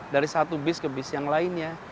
dari satu bis ke bis yang lainnya